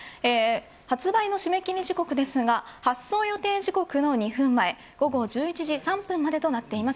発売の締め切り時刻ですが発走予定時刻の２分前午後１１時３分までとなっています。